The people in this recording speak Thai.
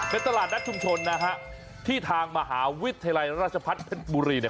เป็นตลาดนัดชุมชนนะฮะที่ทางมหาวิทยาลัยราชพัฒน์เพชรบุรีเนี่ย